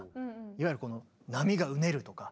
いわゆる波がうねるとか。